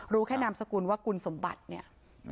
รู้แค่นามสกุลว่าคุณสมบัติเนี่ย